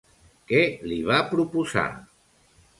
Què li va proposar?